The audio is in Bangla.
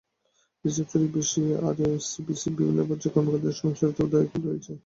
রিজার্ভ চুরির বিষয়ে আরসিবিসির বিভিন্ন পর্যায়ের কর্মকর্তাদের সংশ্লিষ্টতা ও দায় রয়েছে।